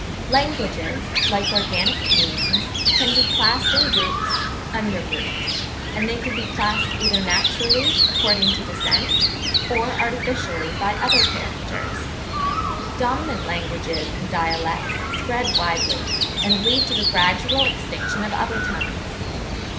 Languages, like organic beings, can be classed in groups under groups; and they can be classed either naturally according to descent, or artificially by other characters. Dominant languages and dialects spread widely, and lead to the gradual extinction of other tongues.